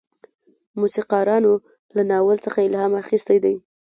موسیقارانو له ناول څخه الهام اخیستی دی.